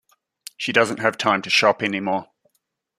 She doesn't have time to shop anymore.